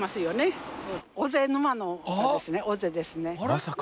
まさか。